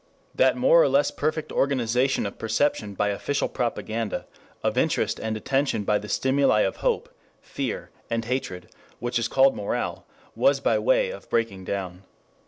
That more or less perfect organization of perception by official propaganda, of interest and attention by the stimuli of hope, fear, and hatred, which is called morale, was by way of breaking down.